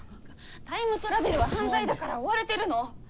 タイムトラベルは犯罪だから追われてるの。